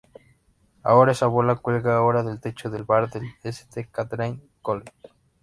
Ahora esa bola cuelga ahora del techo del Bar del St Catharine’s College.